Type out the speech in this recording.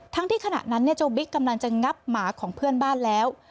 ที่ขณะนั้นเจ้าบิ๊กกำลังจะงับหมาของเพื่อนบ้านแล้ว